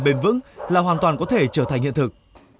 bền vững là hoàn toàn có thể trở thành hiện thực